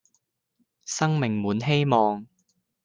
生命滿希望